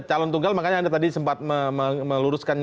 calon tunggal makanya anda tadi sempat meluruskan